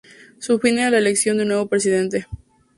Su fin era la elección de un nuevo presidente.